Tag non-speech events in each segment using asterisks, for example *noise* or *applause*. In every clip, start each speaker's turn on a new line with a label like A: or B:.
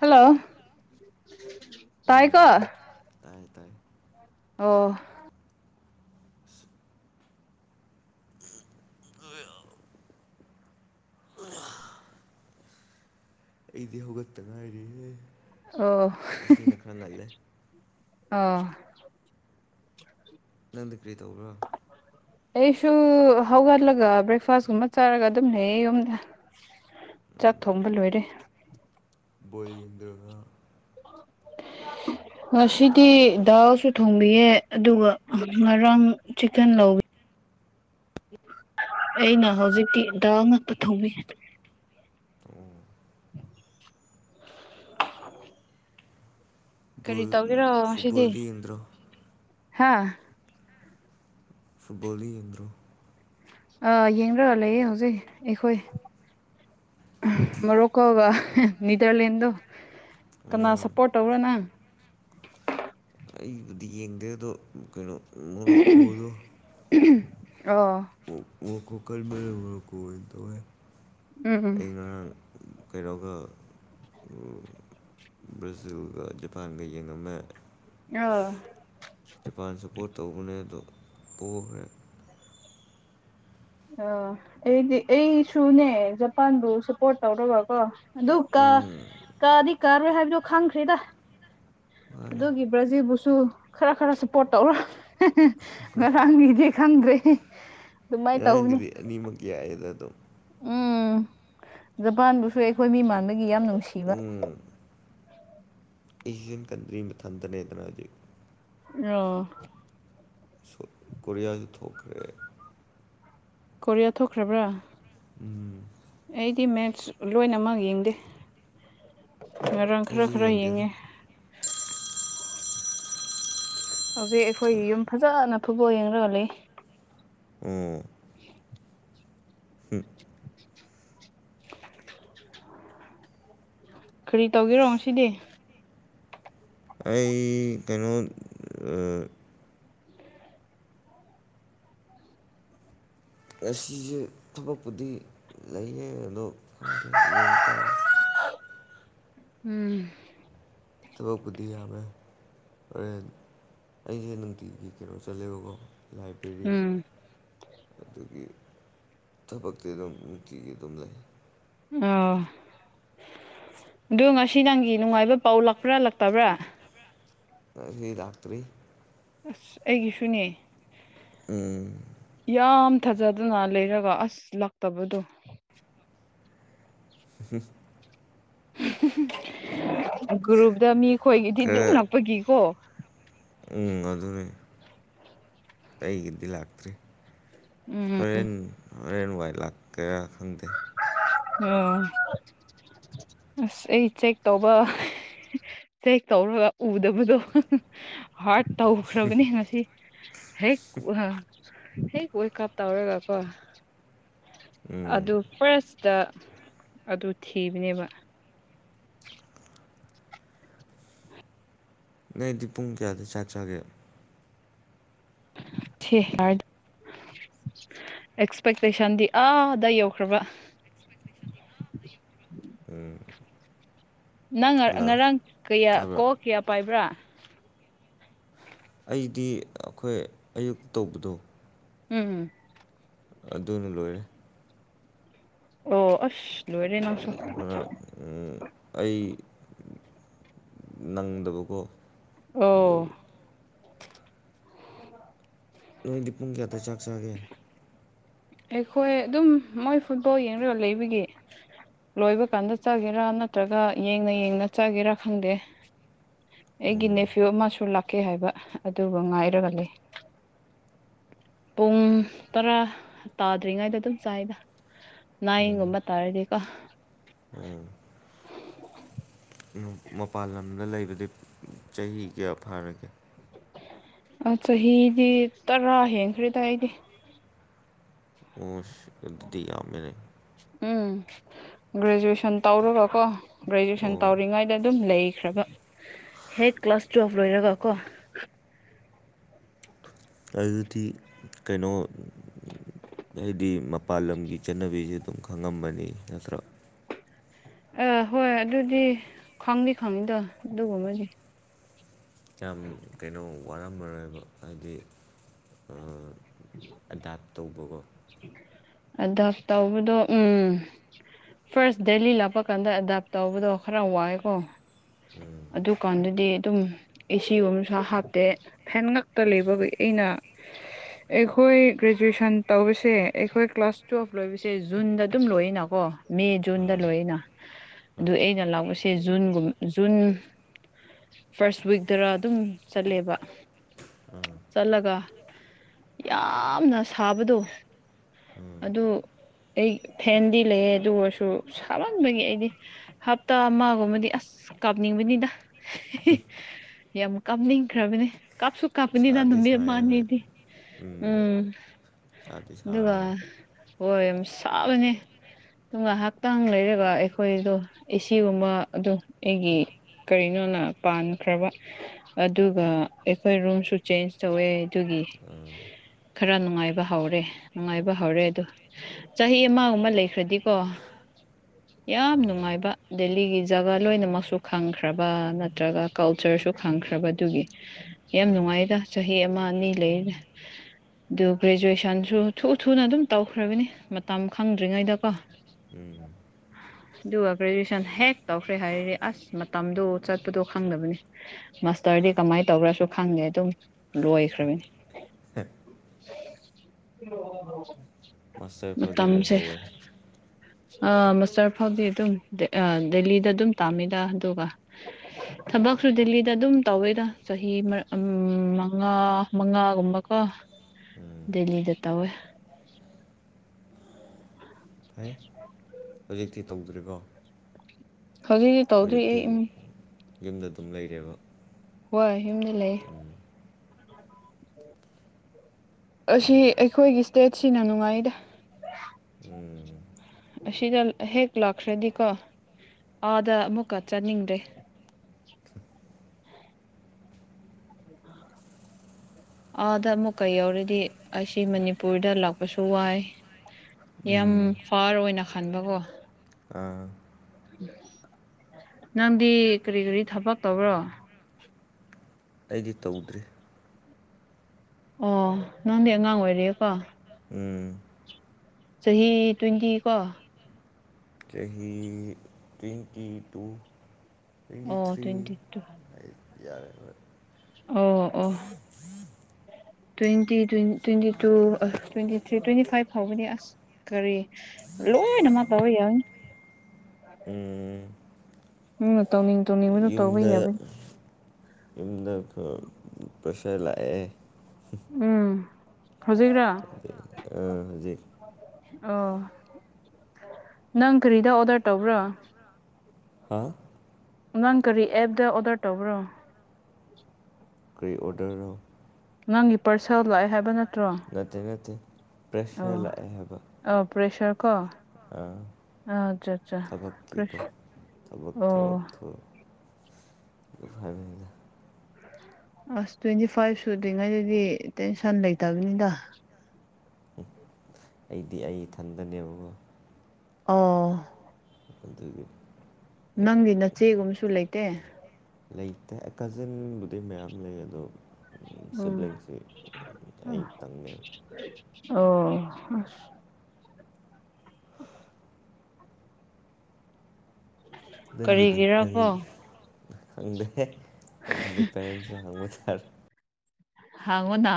A: Hello ꯇꯥꯏꯀꯣ
B: ꯇꯥꯏ ꯇꯥꯏ
A: ꯑꯣ
B: *inaudible* *inaudible* ꯑꯩꯗꯤ ꯍꯧꯒꯠꯇ ꯉꯥꯏꯔꯤꯌꯦ
A: ꯑꯣ ꯑꯣ
B: ꯅꯪꯗꯤ ꯀꯔꯤ ꯇꯧꯕ꯭ꯔꯣ
A: ꯑꯩꯁꯨ ꯍꯧꯒꯠꯂꯒ ꯕ꯭ꯔꯦꯛꯐꯥꯁꯀꯨꯝꯕ ꯆꯥꯔꯒ ꯑꯗꯨꯝ ꯂꯩꯌꯦ ꯌꯨꯝꯗ ꯆꯥꯛ ꯊꯣꯡꯕ ꯂꯣꯏꯔꯦ
B: ꯕꯣꯏ ꯌꯦꯡꯗ꯭ꯔꯒ
A: ꯉꯁꯤꯗꯤ ꯗꯥꯜꯁꯨ ꯊꯣꯡꯕꯤꯌꯦ ꯑꯗꯨꯒ ꯔꯝ ꯆꯤꯛꯀꯟ ꯂꯧ ꯑꯩꯅ ꯍꯧꯖꯤꯛꯇꯤ ꯗꯥꯜ ꯉꯥꯛꯇ ꯊꯣꯡꯕꯤ
B: ꯑꯣ
A: ꯀꯔꯤ
B: ꯕꯣꯜ
A: ꯇꯧꯔꯤꯔꯣ ꯉꯁꯤꯗꯤ
B: ꯐꯨꯠꯕꯣꯜꯗꯤ ꯌꯦꯡꯗ꯭ꯔꯣ
A: ꯍꯥ
B: ꯐꯨꯠꯕꯣꯜꯗꯤ ꯌꯦꯡꯗꯔꯣ
A: ꯑꯥ ꯌꯦꯡꯔꯒ ꯂꯩꯌꯦ ꯍꯧꯖꯤꯛ ꯑꯩꯈꯣꯏ ꯃꯔꯣꯀꯣꯒ ꯅꯤꯗꯔꯂꯦꯟꯗꯣ ꯀꯅꯥ
B: ꯎꯝ
A: ꯁꯞꯄꯣꯔꯠ ꯇꯧꯕꯔ꯭ ꯅꯪ
B: ꯑꯩꯕꯨꯗꯤ ꯌꯦꯡꯗꯦꯗꯣ ꯀꯩꯅꯣ ꯃꯣꯔꯣꯀꯣ ꯗꯣ
A: ꯑꯣ
B: ꯋꯥꯜꯗ ꯀꯞ ꯀꯟꯕꯅꯤꯅ ꯃꯣꯔꯣꯀꯣ ꯑꯣꯏꯅ ꯇꯧꯋꯦ
A: ꯎꯝ ꯎꯝ
B: ꯑꯩ ꯉꯔꯥꯡ ꯀꯩꯅꯣꯒ ꯕ꯭ꯔꯖꯤꯜꯒ ꯃꯄꯥꯟꯒ ꯌꯦꯡ ꯑꯃ
A: ꯑꯣ
B: ꯖꯄꯥꯟ ꯁꯄꯣꯔꯠ ꯇꯧꯕꯅꯦ ꯑꯗꯣ ꯄꯣꯒꯔ꯭ꯦ
A: ꯑꯥ ꯑꯩꯗꯤ ꯑꯩꯁꯨꯅꯦ ꯖꯄꯥꯟꯕꯨ ꯁꯄꯣꯔꯠ ꯇꯧꯔꯒꯀꯣ ꯑꯗꯨ ꯀꯥ
B: ꯎꯝ
A: ꯀꯥꯗꯤ ꯀꯥꯔꯣꯏ ꯍꯥꯏꯕꯗꯨ ꯈꯪꯈ꯭ꯔꯦꯗ
B: ꯃꯥꯅꯤ
A: ꯑꯗꯨꯒꯤ ꯕ꯭ꯔꯖꯤꯕꯨꯁꯨ ꯈꯔ ꯈꯔ ꯁꯞꯄꯣꯔꯠ ꯇꯧꯔꯣ *unintelligible* ꯉꯔꯥꯡꯒꯤꯗꯤ ꯈꯪꯗ꯭ꯔꯦ ꯑꯗꯨꯃꯥꯏꯅ ꯇꯧꯕꯅꯤ
B: ꯉꯔꯥꯡꯒꯤꯗꯤ ꯑꯅꯤꯃꯛꯀꯤ ꯌꯥꯏꯑꯦꯗꯗꯣ
A: ꯎꯝ ꯖꯄꯥꯟꯕꯨꯁꯨ ꯑꯩꯈꯣꯏ ꯃꯤ ꯃꯥꯟꯕꯒꯤ ꯌꯥꯝ ꯅꯨꯡꯁꯤꯕ
B: ꯎꯝ ꯑꯦꯁꯤꯌꯥꯟ ꯀꯟꯇ꯭ꯔꯤ ꯃꯊꯟꯇꯅꯦꯗꯅ *unintelligible*
A: ꯑꯣ
B: ꯀꯣꯔꯤꯌꯥꯁꯨ ꯊꯣꯛꯈ꯭ꯔꯦ
A: ꯀꯣꯔꯤꯌꯥ ꯊꯣꯛꯈ꯭ꯔꯕ꯭ꯔꯥ
B: ꯎꯝ
A: ꯑꯩꯗꯤ ꯃꯦꯠꯁ ꯂꯣꯏꯅꯃꯛ ꯌꯦꯡꯗꯦ ꯉꯔꯥꯡ ꯈꯔ
B: ꯑꯩꯁꯦ
A: ꯈꯔ
B: ꯌꯦꯡꯗꯦꯗ
A: ꯌꯦꯡꯉꯦ ꯍꯧꯖꯤꯛ ꯑꯩꯈꯣꯏꯒꯤ ꯌꯨꯝ ꯐꯖꯅ ꯐꯨꯠꯕꯣꯜ ꯌꯦꯡꯂꯥꯒ ꯂꯩ
B: ꯑꯣ *unintelligible*
A: *inaudible* ꯀ꯭ꯔꯤ ꯇꯧꯒꯦꯔꯣ ꯁꯤꯗꯤ
B: ꯑꯩ ꯀꯩꯅꯣ ꯑꯥ ꯉꯁꯤꯁꯦ ꯊꯕꯛꯄꯨꯗꯤ ꯂꯩꯌꯦ ꯑꯗꯣ ꯈꯪꯗꯦ ꯌꯦꯡ ꯇꯥꯔꯦ
A: ꯎꯝ
B: ꯊꯕꯛ ꯄꯨꯗꯤ ꯌꯥꯕꯌꯥꯏ ꯍꯔꯦꯟ ꯑꯩꯁꯦ ꯅꯨꯡꯇꯤꯒꯤ ꯀꯩꯅꯣ ꯆꯠꯂꯦꯕꯀꯣ ꯂꯥꯏꯕ꯭ꯔꯦꯔꯤ
A: ꯎꯝ
B: ꯑꯗꯨꯒꯤ ꯊꯕꯛꯇꯤ ꯑꯗꯨꯝ ꯅꯨꯡꯇꯤꯒꯤ ꯑꯗꯨꯝ ꯂꯩ
A: ꯑꯣ ꯑꯗꯨ ꯉꯁꯤ ꯅꯪꯒꯤ ꯅꯨꯡꯉꯥꯏꯕ ꯄꯥꯎ ꯂꯥꯛꯄ꯭ꯔꯥꯥ ꯂꯇꯕ꯭ꯔꯥ
B: ꯉꯁꯤ ꯂꯥꯛꯇ꯭ꯔꯤ
A: ꯑꯁ ꯑꯩꯒꯤꯁꯨꯅꯦ ꯌꯥꯝ ꯊꯥꯖꯗꯅ ꯂꯩꯔꯒ ꯑꯁ ꯂꯛꯇꯕꯗꯣ
B: *unintelligible*
A: *unintelligible* ꯒ꯭ꯔꯨꯞꯇ ꯃꯤꯈꯣꯏꯒꯤꯗꯤ ꯑꯗꯨꯝ
B: ꯈꯔ
A: ꯂꯛꯄꯒꯤꯀꯣ
B: ꯎꯝ ꯑꯗꯨꯅꯦ ꯑꯩꯒꯤꯗꯤ ꯂꯥꯛꯇ꯭ꯔꯤ
A: ꯎꯝ
B: ꯍꯣꯔꯦꯟ ꯍꯣꯔꯦꯟ ꯋꯥꯏ ꯂꯥꯛ ꯀꯦꯔꯥ ꯈꯪꯗꯦ
A: ꯑꯣ ꯑꯁ ꯑꯩ ꯆꯦꯛ ꯇꯧꯕ ꯆꯦꯛ ꯇꯧꯔꯒ ꯎꯗꯕꯗꯣ ꯍꯥꯔꯠ ꯇꯧꯈ꯭ꯔꯕꯅꯦ ꯉꯁꯤ ꯍꯦꯛ ꯍꯦꯛ ꯋꯦ ꯀꯥꯞ ꯇꯧꯔꯦꯒꯀꯣ
B: ꯎꯝ
A: ꯑꯗꯨ ꯐꯥꯔꯁꯇ ꯑꯗꯨ ꯊꯤꯕꯅꯦꯕ
B: ꯅꯩꯗꯤ ꯄꯨꯡ ꯀꯌꯥꯗ ꯆꯥꯛ ꯆꯥꯒꯦ
A: *unintelligible* ꯑꯦꯛꯁꯄꯦꯛꯇꯦꯁꯟꯗꯤ ꯑꯥꯗ ꯌꯧꯈ꯭ꯔꯕ
B: ꯎꯝ
A: ꯅꯪ ꯉꯔ
B: ꯍꯜꯂꯣ
A: ꯉꯔꯥꯡ ꯀꯌꯥ
B: ꯇꯥꯕ꯭ꯔꯣ
A: ꯀꯣ ꯀꯌꯥ ꯄꯥꯏꯕ꯭ꯔꯥ
B: ꯑꯩꯗꯤ ꯑꯩꯈꯣꯏ ꯑꯌꯨꯛ ꯇꯧꯕꯗꯣ
A: ꯎꯝ
B: ꯑꯗꯨꯅ ꯂꯣꯏꯔꯦ
A: ꯑꯣ ꯑꯁ ꯂꯔꯦ ꯅꯪꯁꯣ
B: ꯉꯔꯥꯡ ꯑꯩ ꯅꯪꯗꯕꯀꯣ
A: ꯑꯣ
B: ꯑꯗꯨꯒꯤ ꯅꯣꯏꯗꯤ ꯄꯨꯡ ꯀꯌꯥꯗ ꯆꯥꯛ ꯆꯥꯒꯦ
A: ꯑꯩꯈꯣꯏ ꯑꯗꯨꯝ ꯃꯣꯏ ꯐꯨꯠꯕꯣꯜ ꯌꯦꯡꯔꯒ ꯂꯩꯕꯒꯤ ꯂꯣꯏꯕ ꯀꯥꯟꯗ ꯆꯒꯦꯔꯥ ꯅꯠꯇ꯭ꯔꯒ ꯌꯦꯡꯅ ꯌꯦꯡꯅ ꯆꯠꯒꯦꯔꯥ ꯈꯪꯗꯦ ꯑꯩꯒꯤ
B: ꯎꯝ
A: ꯅꯦꯐꯤꯌꯨ ꯑꯃꯁꯨ ꯂꯥꯛꯀꯦ ꯍꯥꯏꯕ ꯑꯗꯨꯕꯨ ꯉꯥꯏꯔꯒ ꯂꯩ ꯄꯨꯡ ꯇꯔꯥ ꯇꯥꯗ꯭ꯔꯤꯉꯩꯗ ꯑꯗꯨꯝ ꯆꯥꯏꯗ ꯅꯥꯏꯡꯒꯨꯝꯕ ꯇꯥꯔꯗꯤ ꯄ
B: ꯎꯝ ꯃꯄꯥꯟ ꯂꯝꯗ ꯂꯩꯕꯗꯤ ꯆꯍꯤ ꯀꯌꯥ ꯐꯥꯔꯒꯦ
A: ꯆꯍꯤꯗꯤ ꯇꯔꯥ ꯍꯦꯟꯈ꯭ꯔꯦꯗ ꯑꯩꯗꯤ
B: ꯑꯁ ꯑꯣꯗꯨꯗꯤ ꯌꯥꯝ ꯃꯦꯅꯦ
A: ꯎꯝ ꯒ꯭ꯔꯦꯖꯨꯑꯦꯁꯟ ꯇꯧꯔꯒꯀꯣ ꯒ꯭ꯔꯦꯖꯨꯑꯦꯁꯟ
B: ꯑꯣ
A: ꯇꯧꯔꯤꯉꯩꯗ ꯑꯗꯨꯝ ꯂꯩꯈ꯭ꯔꯕ ꯍꯦꯛ ꯀ꯭ꯂꯥꯁ ꯇꯨꯌꯦꯜꯕ ꯂꯣꯏꯔꯒ ꯀꯣ
B: ꯑꯗꯨꯗꯤ ꯀꯩꯅꯣ ꯍꯥꯏꯗꯤ ꯃꯄꯥꯜ ꯂꯝꯒꯤ ꯆꯠꯅꯕꯤꯁꯦ ꯑꯗꯨꯝ ꯈꯪꯉꯝꯕꯅꯤ ꯅꯠꯇ꯭ꯔꯥ
A: ꯑ ꯍꯣꯏ ꯑꯗꯨꯗꯤ ꯈꯪꯗꯤ ꯈꯪꯉꯗꯦ ꯑꯗꯨꯒꯨꯝꯕꯗꯤ
B: ꯌꯥꯝ ꯀꯩꯅꯣ ꯋꯥꯔꯝꯃꯔꯣꯏꯕ ꯍꯥꯏꯗꯤ ꯑꯦꯗꯥꯞ ꯇꯧꯕꯒꯣ
A: ꯑꯦꯗꯥꯞ ꯇꯧꯕꯗꯣ ꯎꯝ ꯐꯥꯔꯁ ꯗꯦꯂꯤ ꯂꯥꯞꯄꯗ ꯀꯥꯟꯗ ꯑꯦꯗꯥꯞ ꯇꯧꯕꯗꯣ ꯈꯔ ꯋꯥꯏꯌꯦꯀꯣ
B: ꯎꯝ
A: ꯑꯗꯨꯀꯥꯟꯗꯗꯤ ꯑꯗꯨꯝ ꯑꯦꯁꯤꯒꯨꯝꯁꯨ ꯍꯥꯞꯇꯦ ꯐꯦꯟ ꯉꯛꯇ ꯂꯩꯕꯕꯨ ꯑꯩꯅ ꯑꯩꯈꯣꯏ ꯒ꯭ꯔꯦꯖꯨꯌꯦꯁꯟ ꯇꯧꯕ ꯁꯦ ꯑꯩꯈꯣꯏ ꯀ꯭ꯂꯥꯁ ꯇꯨꯌꯦꯜꯞ ꯂꯣꯏꯕꯁꯦ ꯖꯨꯟꯗ ꯑꯗꯨꯝ ꯂꯣꯏꯅꯀꯣ ꯃꯦ ꯖꯨꯟꯗ
B: ꯑꯥ
A: ꯂꯣꯏꯔꯦꯅ ꯑꯗꯨ
B: ꯍꯣꯏ
A: ꯑꯩꯅ ꯂꯥꯛꯄꯁꯦ ꯖꯨꯟꯒꯨꯝ ꯖꯨꯟ ꯐꯥꯔꯁ ꯋꯤꯛꯇꯔ ꯑꯗꯨꯝ ꯆꯠꯂꯦꯕ
B: ꯑꯥ
A: ꯆꯠꯂꯒ ꯌꯥꯝꯅ ꯁꯥꯕꯗꯣ
B: ꯎꯝ
A: ꯑꯗꯨ ꯑꯩ ꯐꯦꯟꯗꯤ ꯂꯩꯌꯦ ꯑꯗꯨ ꯑꯣꯏꯔꯁꯨ ꯁꯥꯃꯟꯕꯒꯤ ꯑꯩꯗꯤ ꯍꯞꯇꯥ ꯑꯃꯒꯨꯝꯕꯗꯤ ꯑꯁ ꯀꯥꯞꯅꯤꯡꯕꯅꯤꯗ ꯌꯥꯝ ꯀꯥꯞꯅꯤꯡꯈ꯭ꯔꯕꯅꯦ ꯀꯥꯞꯁꯨ ꯀꯞꯅꯤ ꯗ
B: ꯁꯥꯗꯤ
A: ꯅꯨꯃꯤꯠ
B: ꯁꯥꯏ ꯍꯣꯏ
A: ꯃꯅꯤꯗꯤ ꯎꯝ
B: ꯁꯥꯗꯤ ꯁꯥꯏ
A: ꯑꯗꯨꯒ
B: ꯍꯣꯏ
A: ꯍꯣꯏ ꯌꯥꯝ ꯁꯥꯕꯅꯤ ꯑꯗꯨꯒ ꯉꯥꯏꯍꯥꯛꯇꯪ ꯂꯩꯔꯒ ꯑꯩꯈꯣꯏꯗꯣ ꯑꯦꯁꯤꯒꯨꯝꯕ ꯑꯗꯨ ꯑꯩꯒꯤ ꯀꯔꯤꯅꯣꯅ ꯄꯥꯟꯈ꯭ꯔꯕ ꯑꯗꯨꯒ ꯑꯩꯈꯣꯏ ꯔꯨꯝꯁꯨ ꯆꯦꯟꯖ ꯇꯧꯋꯦ ꯑꯗꯨꯒꯤ
B: ꯑꯥ
A: ꯈꯔ ꯅꯨꯡꯉꯥꯏꯕ ꯍꯧꯔꯦ ꯅꯨꯡꯉꯥꯏꯕ ꯍꯧꯔꯦ ꯑꯗ ꯆꯍꯤ ꯑꯃꯒꯨꯝꯕ ꯂꯩꯈ꯭ꯔꯗꯤꯀꯣ ꯌꯥꯝ ꯅꯨꯡꯉꯥꯏꯕ ꯗꯦꯜꯂꯤꯒꯤ ꯖꯒꯥ ꯂꯣꯏꯅꯃꯛꯁꯨ ꯈꯪꯈ꯭ꯔꯕ ꯅꯠꯇ꯭ꯔꯒ ꯀꯜꯆꯔꯁꯨ ꯈꯪꯈ꯭ꯔꯕꯗꯨꯒꯤ ꯌꯥꯝ ꯅꯨꯡꯉꯥꯏꯔ ꯆꯍꯤ ꯑꯃ ꯑꯅꯤ ꯂꯩꯔꯦ ꯑꯗꯨ ꯒ꯭ꯔꯦꯖꯨꯌꯦꯁꯟꯁꯨ ꯊꯨ ꯊꯨꯅ ꯑꯗꯨꯝ ꯇꯧꯈ꯭ꯔꯕꯅꯤ ꯃꯇꯝ ꯈꯪꯗ꯭ꯔꯤꯉꯩꯗꯀꯣ
B: *unintelligible*
A: ꯑꯗꯨꯒ ꯒ꯭ꯔꯦꯖꯨꯦꯁꯟ ꯍꯦꯛ ꯇꯧꯈ꯭ꯔꯦ ꯍꯥꯏꯔꯗꯤ ꯑꯁ ꯃꯇꯝꯗꯣ ꯆꯠꯄꯗꯣ ꯈꯪꯗꯕꯅꯤ ꯃꯥꯁꯇꯔꯗꯤ ꯀꯃꯥꯏꯅ ꯇꯧꯈ꯭ꯔꯁꯨ ꯈꯪꯗꯦ ꯑꯗꯨꯝ ꯂꯣꯏꯈ꯭ꯔꯕꯅꯤ *unintelligible*
B: ꯃꯥꯁꯇꯔ ꯐꯥꯎꯗꯤ ꯂꯩꯍꯧꯋꯦ
A: ꯑ ꯃꯁꯇꯔ ꯐꯥꯎꯗꯤ ꯑꯗꯨꯝ ꯗꯦꯂꯤꯗ ꯑꯗꯨꯝ ꯇꯥꯝꯃꯤꯗ ꯑꯗꯨꯒ
B: *unintelligible*
A: ꯊꯕꯛꯁꯨ ꯗꯦꯜꯂꯤꯗ ꯑꯗꯨꯝ ꯇꯧꯋꯦꯗ ꯆꯍꯤ ꯃꯉꯥ ꯃꯉꯥꯒꯨꯝꯕꯀ ꯗꯦꯂꯤꯗ ꯇꯧꯋꯦ
B: ꯍꯥꯏ ꯍꯧꯖꯤꯛꯇꯤ ꯇꯧꯗ꯭ꯔꯤꯀꯣ
A: ꯍꯧꯖꯤꯛꯇꯤ ꯇꯧꯗ꯭ꯔꯤ
B: ꯍꯧꯖꯤꯛꯇꯤ
A: ꯑꯩ ꯎꯝ
B: ꯌꯨꯝꯗ ꯑꯗꯨꯝ ꯂꯩꯔꯦꯕ
A: ꯍꯣꯏ ꯌꯨꯝꯗ ꯂꯩ
B: ꯎꯝ, *unintelligible*
A: ꯑꯁꯤ ꯑꯩꯈꯣꯏꯒꯤ ꯏꯁ꯭ꯇꯦꯠꯁꯤꯅ ꯅꯨꯡꯉꯥꯏꯗꯥ
B: ꯎꯝ,
A: ꯑꯁꯤꯗ ꯍꯦꯛ ꯂꯥꯛꯈ꯭ꯔꯗꯤꯀꯣ ꯑꯥꯗ ꯑꯃꯨꯛꯀ ꯆꯠꯅꯤꯡꯗ꯭ꯔꯦ
B: *unintelligible*
A: ꯑꯥꯗ ꯑꯃꯨꯛ ꯀꯥ ꯌꯧꯔꯗꯤ ꯑꯁꯤ ꯃꯅꯤꯄꯨꯔꯗ ꯂꯥꯛꯄꯁꯨ ꯋꯥꯏ ꯌꯥꯝ
B: ꯎꯝ.
A: ꯐꯥꯔ ꯑꯣꯏꯅ ꯈꯟꯕꯀꯣ
B: ꯑꯥ
A: ꯅꯪꯗꯤ ꯀꯔꯤ ꯀꯔꯤ ꯊꯕꯛ ꯇꯧꯕ꯭ꯔꯣ
B: ꯑꯩꯗꯤ ꯇꯧꯗ꯭ꯔꯤ
A: ꯑꯣ ꯅꯪꯗꯤ ꯑꯉꯥꯡ ꯑꯣꯏꯔꯤꯌꯦꯀꯣ
B: ꯎꯝ
A: ꯆꯍꯤ ꯇ꯭ꯋꯦꯟꯇꯤ ꯀꯣ
B: ꯆꯍꯤ ꯇ꯭ꯋꯦꯟꯇꯤ ꯇꯨ
A: ꯑꯣ ꯇ꯭ꯋꯦꯟꯇꯤ ꯇꯨ
B: ꯑꯩ ꯏꯌꯥꯔꯕꯣꯏ
A: ꯑꯣ ꯑꯣ ꯇ꯭ꯋꯦꯟꯇꯤ ꯇ꯭ꯋꯦ ꯇ꯭ꯋꯦꯟꯇꯤ ꯇꯨ ꯑ ꯇ꯭ꯋꯦꯟꯇꯤ ꯊ꯭ꯔꯤ ꯇ꯭ꯋꯦꯟꯇꯤ ꯐꯥꯏꯚ ꯐꯥꯎꯕꯅꯦ ꯑꯁ ꯀꯔꯤ ꯂꯣꯢꯅꯃꯛ ꯇꯧꯕ ꯌꯥꯢ
B: ꯎꯝ
A: ꯅꯪꯅ ꯇꯧꯅꯤꯡ ꯇꯧꯅꯤꯡꯕꯗꯨ ꯇꯧꯕ
B: ꯌꯨꯝꯗ
A: ꯌꯥꯕꯩ
B: ꯌꯨꯝꯗ *unintelligible* ꯄ꯭ꯔꯦꯁꯔ ꯂꯥꯛꯑꯦ
A: ꯎꯝ ꯍꯧꯖꯤꯛꯔꯥ
B: ꯍꯣꯢ ꯍꯧꯖꯤꯛ
A: ꯑꯣ ꯅꯪ ꯀꯔꯤꯗ ꯑꯣꯗꯔ ꯇꯧꯕ꯭ꯔꯣ
B: ꯍꯥꯥ
A: ꯅꯡ ꯀꯔꯤ ꯑꯦꯞꯇ ꯑꯣꯔꯗꯔ ꯇꯧꯕ꯭ꯔꯣ
B: ꯀꯔꯤ ꯑꯣꯔꯗꯔꯣ
A: ꯅꯪꯒꯤ ꯄꯥꯔꯁꯦꯜ ꯂꯥꯛꯑꯦ ꯍꯥꯏꯕ ꯅꯠꯇ꯭ꯔꯣ
B: ꯅꯠꯇꯦ ꯅꯠꯇꯦ ꯄ꯭ꯔꯦꯁꯔ ꯂꯥꯛꯑꯦ ꯍꯥꯏꯕ
A: ꯑꯣ ꯄ꯭ꯔꯦꯁꯔ ꯀꯣ
B: ꯑꯥ
A: ꯑꯥ ꯑꯠꯆꯥ ꯑꯠꯆꯥ
B: ꯊꯕꯛꯀꯤꯀꯣ
A: ꯄꯦꯁ
B: ꯊꯕꯛ
A: ꯑꯣ
B: ꯊꯕꯛ ꯊꯕꯛ ꯍꯥꯏꯕꯅꯤꯅ
A: ꯑꯁ ꯇ꯭ꯋꯦꯟꯇꯤ ꯐꯥꯏꯚ ꯁꯨꯗ꯭ꯔꯤꯉꯩꯗꯗꯤ ꯇꯦꯟꯁꯟ ꯂꯩꯇꯕꯅꯤꯗ
B: ꯑꯩꯗꯤ ꯑꯩ ꯏꯊꯟꯗꯅꯦꯕꯀꯣ
A: ꯑꯣ
B: ꯑꯗꯨꯒꯤ
A: ꯅꯪꯗꯤ ꯅꯆꯦꯒꯨꯝꯕꯁꯨ ꯂꯩꯇꯦ
B: ꯀꯥꯖꯟꯕꯨꯗꯤ ꯃꯌꯥꯝ ꯂꯩ ꯑꯗꯣ
A: ꯎꯝ
B: ꯁꯤꯕ꯭ꯂꯤꯁꯇꯤ ꯑꯩ ꯇꯪꯅꯦ
A: ꯑꯣ *unintelligible*
B: ꯅꯪꯒꯤꯗꯦ
A: ꯀꯔꯤꯒꯤꯔꯀꯣ
B: ꯈꯪꯗꯦ ꯌꯦ ꯑꯗꯨꯗꯤ ꯄꯦꯔꯦꯟꯁꯇ ꯍꯪꯕ ꯇꯥꯔꯦ
A: ꯍꯥꯡꯉꯣ ꯅ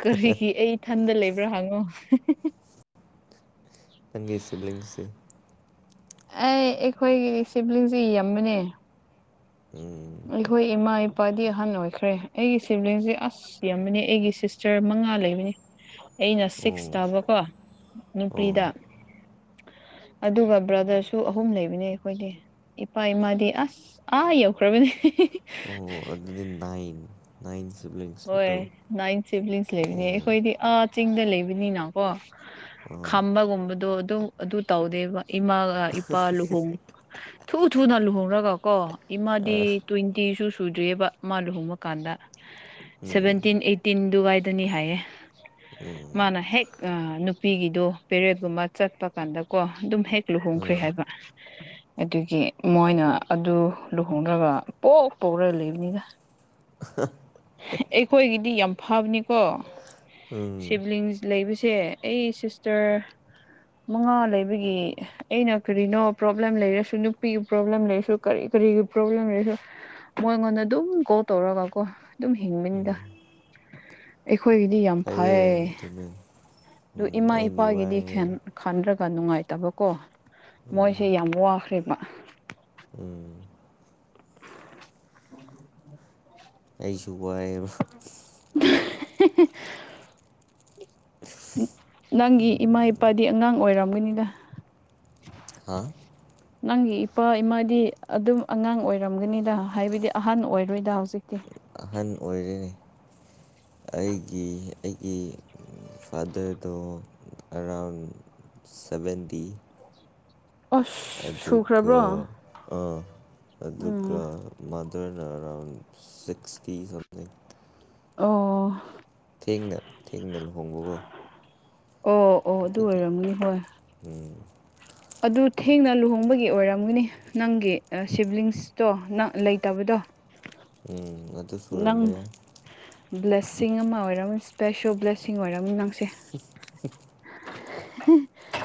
A: ꯀꯔꯤꯒꯤ ꯑꯩ ꯏꯊꯟꯗ ꯂꯩꯕ꯭ꯔꯥ ꯍꯪꯉꯣ
B: ꯆꯪꯒꯤ ꯁꯤꯕ꯭ꯂꯤꯡꯁ ꯁꯤ
A: ꯑꯩ ꯑꯩꯈꯣꯏꯒꯤ ꯁꯤꯕꯂꯤꯡꯁꯦ ꯌꯝꯃꯦꯅꯦ
B: ꯎꯝ
A: ꯑꯩꯈꯣꯏ ꯏꯃꯥ ꯏꯄꯥꯗꯤ ꯑꯍꯟ ꯑꯣꯏꯈ꯭ꯔꯦ ꯑꯩꯒꯤ ꯁꯤꯕ꯭ꯂꯤꯡꯁꯦ ꯑꯁ ꯏꯁ ꯌꯥꯝꯃꯦꯅꯦ ꯑꯩꯒꯤ ꯁꯤꯁꯇ꯭ꯔ ꯃꯉꯥ ꯂꯩꯕꯅꯦ ꯑꯩꯅ ꯁꯤꯛꯁ
B: ꯑꯣ
A: ꯇꯥꯕꯀꯣ ꯅꯨꯄꯤꯗ
B: ꯑꯣ
A: ꯑꯗꯨꯒ ꯕ꯭ꯔꯗꯔꯁꯨ ꯑꯍꯨꯝ ꯂꯩꯕꯅꯦ ꯑꯩꯈꯣꯏꯗꯤ ꯏꯄꯥ ꯏꯃꯥꯗꯤ ꯑꯁ ꯑꯥ ꯌꯧꯈ꯭ꯔꯕꯅꯦ
B: ꯑꯣ ꯑꯗꯨꯗꯤ ꯅꯥꯏꯟ ꯅꯥꯏꯟ ꯁꯤꯕꯤꯡꯁ ꯇꯣꯇꯦꯜ
A: ꯍꯣꯏ ꯅꯥꯏꯟ ꯁꯤꯕꯂꯤꯡꯁ ꯂꯩꯕꯅꯦ
B: ꯑꯣ
A: ꯑꯩꯈꯣꯏꯗꯤ ꯑꯥ ꯆꯤꯡꯗ ꯂꯩꯕꯅꯤꯅꯀꯣ
B: ꯑꯥ
A: ꯈꯝꯕꯒꯨꯝꯕꯗꯣ ꯑꯗꯨ ꯑꯗꯨ ꯇꯧꯗꯦꯕ ꯏꯃꯥꯒ ꯏꯄꯥ ꯂꯨꯍꯣꯡ ꯊꯨ ꯊꯨꯅ ꯂꯨꯍꯣꯡꯔꯒ ꯀꯣ ꯏꯃꯥꯗꯤ ꯇ꯭ꯋꯦꯟꯇꯤꯁꯨ ꯁꯨꯗ꯭ꯔꯤꯌꯦꯕ ꯃꯥ ꯂꯨꯍꯣꯡꯕ ꯀꯥꯟꯗ
B: ꯎꯝ
A: ꯁꯚꯦꯟꯇꯤꯟ ꯑꯦꯠꯇꯤꯟ ꯑꯗꯨꯋꯥꯏꯗꯅꯤ ꯍꯥꯏꯌꯦ
B: ꯎꯝ
A: ꯃꯥꯅ ꯍꯦꯛ ꯅꯨꯄꯤꯒꯤꯗꯣ ꯄꯦꯔꯦꯠꯒꯨꯝꯕ ꯆꯠꯄ ꯀꯥꯟꯗꯀꯣ ꯑꯗꯨꯝ ꯍꯦꯛ ꯂꯨꯍꯣꯡꯈ꯭ꯔꯦ
B: ꯑꯥ
A: ꯍꯥꯏꯕ ꯑꯗꯨꯒꯤ ꯃꯣꯏꯅ ꯑꯗꯨ ꯂꯨꯍꯣꯡꯔꯒ ꯄꯣꯛ ꯄꯣꯛꯔꯥ ꯂꯩꯕꯅꯤꯗ ꯑꯩꯈꯣꯏꯒꯤꯗꯤ ꯌꯥꯝ ꯐꯕꯅꯤꯀꯣ
B: ꯎꯝ
A: ꯁꯤꯕ꯭ꯂꯤꯡꯁ ꯂꯩꯕꯁꯦ ꯑꯩ ꯁꯤꯁꯇꯔ ꯃꯉꯥ ꯂꯩꯕꯒꯤ ꯑꯩꯅ ꯀꯔꯤꯅꯣ ꯄ꯭ꯔꯣꯕ꯭ꯂꯦꯝ ꯂꯩꯔꯁꯨ ꯅꯨꯄꯤꯒꯤ ꯄ꯭ꯔꯣꯕ꯭ꯂꯦꯝ ꯂꯩꯔꯁꯨ ꯀꯔꯤ ꯀꯔꯤꯒꯤ ꯄ꯭ꯔꯣꯕ꯭ꯂꯦꯝ ꯂꯩꯔꯁꯨ ꯃꯣꯏꯉꯣꯟꯗ ꯑꯗꯨꯝ ꯀꯣꯜ ꯇꯧꯔꯒꯀꯣ ꯑꯗꯨꯝ ꯍꯤꯡꯕꯅꯤꯗ
B: ꯎꯝ
A: ꯑꯩꯈꯣꯏꯒꯤꯗꯤ ꯌꯥꯝ
B: ꯐꯩꯌꯦ
A: ꯐꯩ
B: ꯑꯗꯨꯅꯦ
A: ꯑꯗꯨ
B: ꯎꯝ
A: ꯏꯃꯥ
B: ꯑꯩꯗꯤ
A: ꯏꯄꯥꯒꯤꯗꯤ
B: ꯋꯥꯏꯌꯦ
A: ꯈꯦꯟ ꯈꯟꯗ꯭ꯔꯒ ꯅꯨꯡꯉꯥꯏꯇꯕꯀꯣ ꯃꯣꯏꯁꯦ ꯌꯥꯝ ꯋꯥꯈ꯭ꯔꯦꯕ
B: ꯎꯝ ꯑꯩꯁꯨ ꯋꯥꯏꯌꯦꯕ
A: *unintelligible* ꯅꯪꯒꯤ ꯏꯃꯥ ꯏꯄꯥꯗꯤ ꯑꯉꯥꯡ ꯑꯣꯏꯔꯝꯒꯅꯤꯗ
B: ꯍꯥꯥ
A: ꯅꯪꯒꯤ ꯏꯄꯥ ꯏꯃꯥꯗꯤ ꯑꯗꯨꯝ ꯑꯉꯥꯡ ꯑꯣꯏꯔꯝꯒꯅꯤꯗ ꯍꯥꯏꯕꯗꯤ ꯑꯍꯟ ꯑꯣꯏꯔꯣꯏꯗ ꯍꯧꯖꯤꯛꯇꯤ
B: ꯑꯍꯟ ꯑꯣꯏꯔꯦꯅꯦ ꯑꯩꯒꯤ ꯑꯩꯒꯤ ꯐꯥꯗꯔꯗꯣ ꯑꯔꯥꯎꯟ ꯁꯚꯦꯟꯗꯤ
A: ꯑꯁ
B: ꯑꯗꯨꯒ
A: ꯁꯨꯈ꯭ꯔꯕ꯭ꯔꯣ
B: ꯑꯥ ꯑꯗꯨꯒ
A: ꯎꯝ
B: ꯃꯥꯗꯔꯅ ꯑꯔꯥꯎꯟ ꯁꯤꯛꯁꯇꯤ ꯁꯝ
A: ꯑꯣ
B: ꯊꯦꯡꯅ ꯊꯦꯡꯅ ꯂꯨꯍꯣꯡꯕꯀꯣ
A: ꯑꯣ ꯑꯣ ꯑꯗꯨ
B: ꯑꯗꯨꯒꯤ
A: ꯑꯣꯏꯔꯝꯒꯅꯤ ꯍꯣꯏ
B: ꯎꯝ
A: ꯑꯗꯨ ꯊꯦꯡꯅ ꯂꯨꯍꯣꯡꯕꯒꯤ ꯑꯣꯏꯔꯝꯒꯅꯤ ꯅꯪꯒꯤ ꯁꯤꯕ꯭ꯂꯤꯡꯁꯇꯣ ꯅꯪ ꯂꯩꯇꯕꯗꯣ
B: ꯎꯝ ꯑꯗꯨ
A: ꯅꯪ
B: ꯁꯨꯔꯝꯕ ꯌꯥꯏ
A: ꯕ꯭ꯂꯦꯁꯁꯤꯡ ꯑꯃ ꯑꯣꯏꯔꯝ ꯏꯁꯄꯦꯁꯦꯜ ꯕ꯭ꯂꯦꯁꯤꯡ ꯑꯣꯏꯔꯝꯅꯤ ꯅꯪꯁꯦ
B: ꯁꯤꯁ *unintelligible*
A: *unintelligible*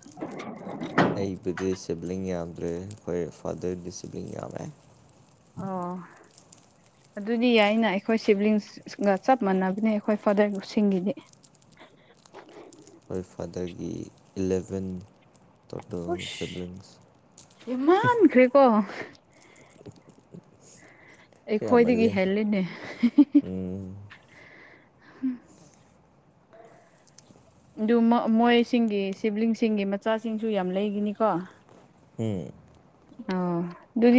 A: *inaudible*
B: ꯑꯩꯕꯨꯗꯤ ꯁꯤꯕ꯭ꯂꯤꯡ ꯌꯥꯝꯗ꯭ꯔꯦ ꯑꯩꯈꯣꯏ ꯐꯥꯗ꯭ꯔꯗꯤ ꯁꯤꯕ꯭ꯂꯤꯡ ꯌꯥꯝꯃꯦ
A: ꯑꯣ
B: *inaudible*
A: ꯑꯗꯨꯗꯤ ꯌꯥꯏꯅ ꯑꯩꯈꯣꯏ ꯁꯤꯕꯂꯤꯡꯒ ꯆꯞ ꯃꯥꯟꯅꯕꯅꯦ ꯑꯩꯈꯣꯏ ꯐꯥꯗꯔꯁꯤꯡꯒꯤꯗꯤ
B: ꯑꯩꯈꯣꯏ ꯐꯥꯗꯔꯒꯤ ꯏꯂꯚꯦꯟ ꯇꯣꯇꯦꯜ ꯁꯤꯕ꯭ꯂꯤꯡꯁ
A: ꯌꯥꯃꯟꯈ꯭ꯔꯦꯀꯣ ꯑꯩꯈꯣꯏꯗꯒꯤ
B: ꯌꯥꯝꯃꯜꯂꯦ
A: ꯍꯦꯜꯂꯤꯅꯦ
B: ꯎꯝ *inaudible*
A: ꯑꯗꯨ ꯃꯣꯏꯁꯤꯡꯒꯤ ꯁꯤꯕ꯭ꯂꯤꯡꯁꯤꯡꯒꯤ ꯃꯆꯥꯁꯤꯡꯁꯨ ꯌꯥꯝ ꯂꯩꯒꯥꯅꯤꯀꯣ
B: ꯍꯦ
A: ꯑꯣ ꯑꯗꯨꯗꯤ